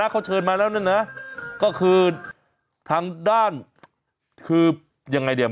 เขาเชิญมานะเขาเชิญมาแล้วนั่นนะก็คือทางด้านคือยังไงเนี่ย